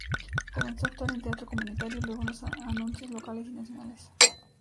Comenzó a actuar en teatro comunitario, y luego en los anuncios locales y nacionales.